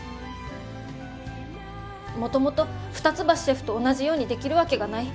もともと二ツ橋シェフと同じようにできるわけがない。